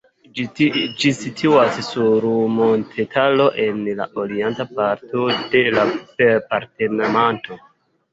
Ĝi situas sur montetaro en la orienta parto de la departemento.